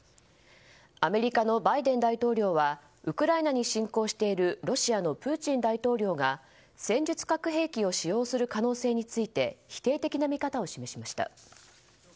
アメリカのバイデン大統領はウクライナに侵攻しているロシアのプーチン大統領が戦術核兵器を使用する可能性について否定的な見方を示しました。